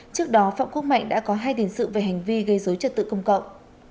trước đó phạm quốc mạnh đã có hai tiền sự về hành vi gây dối trật tự công cộng